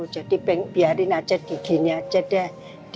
jadi biarin aja giginya aja deh